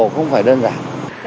không phải đơn giản